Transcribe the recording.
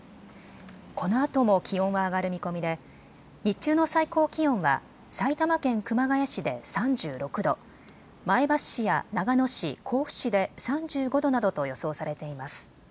このあとも気温は上がる見込みで日中の最高気温は埼玉県熊谷市で３６度、前橋市や長野市、甲府市で３５度などと予想されています。